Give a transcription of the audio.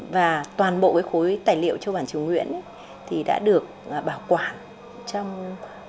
và toàn bộ khối tài liệu châu bản chứa nguyễn đã được bảo quản trong hộp gỗ bằng gỗ vàng tâm